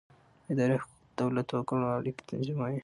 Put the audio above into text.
اداري حقوق د دولت او وګړو اړیکې تنظیموي.